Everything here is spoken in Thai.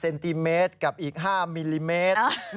ติเมตรกับอีก๕มิลลิเมตร